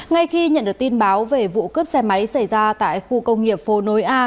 ngay khi nhận được tin báo về vụ cướp xe máy xảy ra tại khu công nghiệp phố nối a